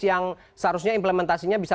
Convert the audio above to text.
yang seharusnya implementasinya bisa